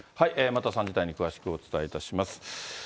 また３時台に詳しくお伝えいたします。